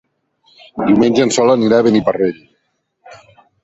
Diumenge en Sol anirà a Beniparrell.